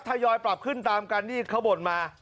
ทยอยปรับขึ้นตามกันที่เขาบ่นมา